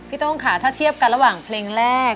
โต้งค่ะถ้าเทียบกันระหว่างเพลงแรก